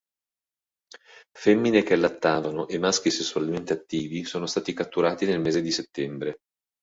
Femmine che allattavano e maschi sessualmente attivi sono stati catturati nel mese di settembre.